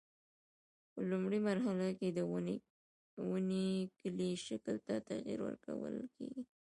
په لومړۍ مرحله کې د ونې کلي شکل ته تغییر ورکول کېږي.